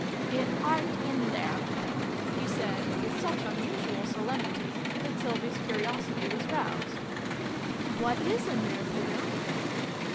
" It aren't in there," he said, with such un usual solemnity, that Sylvie's curiosity was roused. " What is in there, Bruno